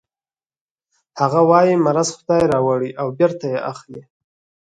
هغه وايي مرض خدای راوړي او بېرته یې اخلي